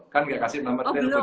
kan gak kasih nomor telepon